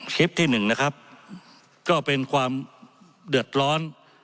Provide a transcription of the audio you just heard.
คลิปที่หนึ่งนะครับก็เป็นความเดือดร้อน